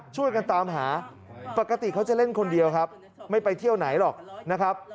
ช่วยกันตามหาปกติเขาจะเล่นคนเดียวครับไม่ไปเที่ยวไหนหรอกนะครับ